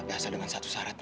tante jangan tante